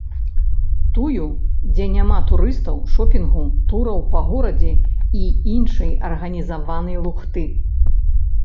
Тую, дзе няма турыстаў, шопінгу, тураў па горадзе і іншай арганізаванай лухты.